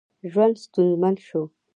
ژوند ستونزمن شو.